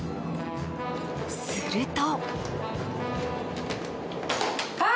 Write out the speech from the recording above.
すると。